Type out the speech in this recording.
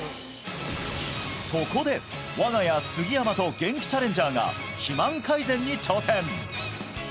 そこで我が家杉山とゲンキチャレンジャーが肥満改善に挑戦！